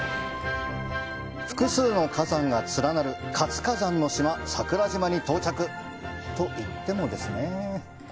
複数の火山が連なる活火山の島、桜島に到着！と、いってもですね